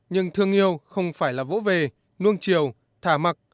nhưng thương yêu không phải là vỗ về nuông chiều thả mặc